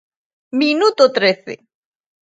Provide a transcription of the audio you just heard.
Minuto trece.